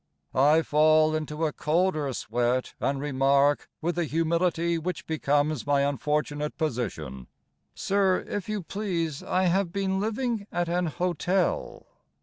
I fall into a colder sweat And remark, With a humility Which becomes my unfortunate position, "Sir, if you please, I have been living at an hotel."